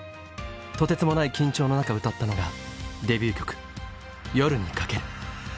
とてつもない緊張の中歌ったのがデビュー曲「夜に駆ける」。